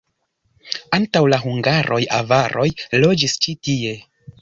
Antaŭ la hungaroj avaroj loĝis ĉi tie.